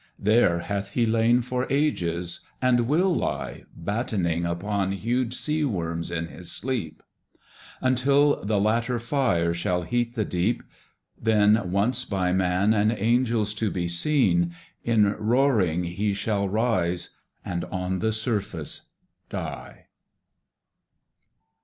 There hath he lain for ages and will lie Battening upon huge seaworms in his sleep, Until the latter fire shall heat the deep; Then once by man and angels to be seen, In roaring he shall rise and on the surface die.